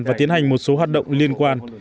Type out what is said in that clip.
và tiến hành một số hoạt động liên quan